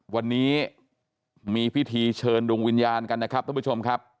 วันนี้มีพิธีเชิญดวงวิญญาณกันนะครับท่านผู้ชมครับ